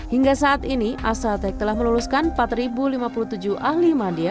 hingga kini astra tech telah berhasil meluluskan tiga puluh tiga orang dengan gelar german bachelor professional bidang otomotif